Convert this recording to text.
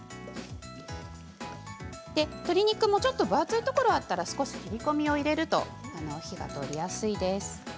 鶏肉もちょっと分厚いところがあったら少し切り込みを入れると火が通りやすいです。